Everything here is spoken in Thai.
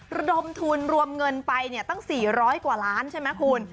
ระดมทุนรวมเงินไปตั้ง๔๐๐กว่าล้านใช่ไหมคุณ